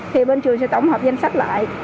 thì bên trường sẽ tổng hợp danh sách lại